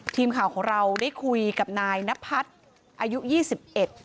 ทีมข่าวของเราได้คุยกับนายนพัฒน์อายุยี่สิบเอ็ด